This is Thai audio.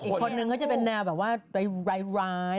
อีกคนนึงแบบว่าจะเป็นแนวว่าไรร้าย